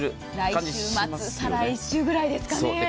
来週末再来週ぐらいですかね。